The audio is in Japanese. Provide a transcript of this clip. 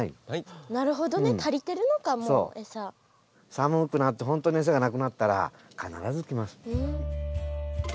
寒くなってほんとに餌がなくなったら必ず来ます。